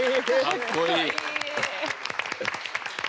かっこいい。